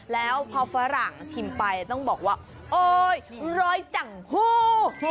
แล้วพอฝรั่งชิมไปต้องบอกว่าโอ๊ยร้อยจังฮู้